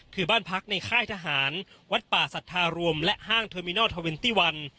คือบ้านพักในค่ายทหารวัดป่าสัทธารวมและห้างเทอร์มินอลทอเวนตี้วัน